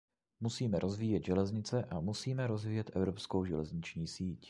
Musíme rozvíjet železnice a musíme rozvíjet evropskou železniční síť.